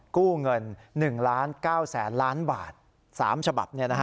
กู้เงิน๑ล้าน๙แสนล้านบาท๓ฉบับ